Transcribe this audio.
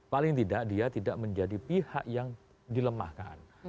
paling tidak dia tidak menjadi pihak yang dilemahkan